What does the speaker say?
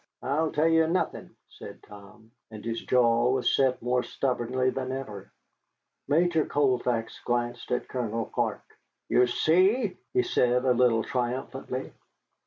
"I tell you nothin'," said Tom, and his jaw was set more stubbornly than ever. Major Colfax glanced at Colonel Clark. "You see!" he said a little triumphantly.